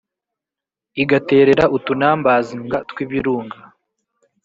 igaterera utunumbersnga tw’ibirunga